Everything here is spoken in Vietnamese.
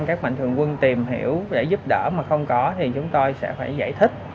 các mạnh thường quân tìm hiểu để giúp đỡ mà không có thì chúng tôi sẽ phải giải thích